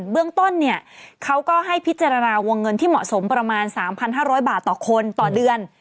เบื้องต้นเนี่ยเขาก็ให้พิจารณาวงเงินที่เหมาะสมประมาณ๓๕๐๐บาทต่อคนต่อเดือน